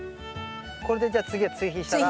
これでじゃあ次は追肥したら。